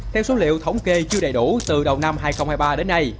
theo số liệu thống kê chưa đầy đủ từ đầu năm hai nghìn hai mươi ba đến nay